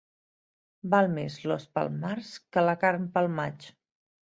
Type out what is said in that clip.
Val més l'os pel març que la carn pel maig.